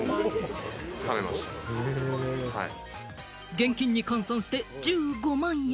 現金に換算して１５万円。